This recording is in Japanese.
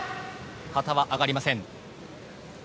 旗は上がりません。